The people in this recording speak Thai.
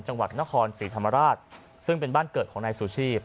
จังหวัดนครศรีธรรมราชซึ่งเป็นบ้านเกิดของนายสุชีพ